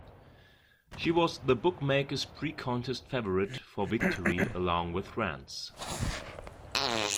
She was the bookmakers' pre-contest favorite for victory along with France.